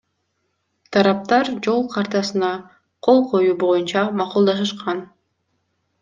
Тараптар жол картасына кол коюу боюнча макулдашышкан.